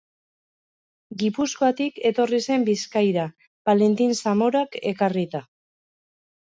Gipuzkoatik etorri zen Bizkaira, Valentin Zamorak ekarrita.